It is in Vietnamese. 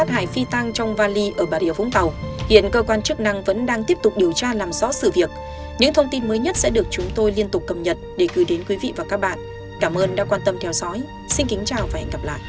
hãy đăng ký kênh để ủng hộ kênh của chúng mình nhé